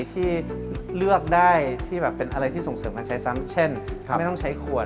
ที่เลือกได้ที่แบบเป็นอะไรที่ส่งเสริมการใช้ซ้ำเช่นไม่ต้องใช้ขวด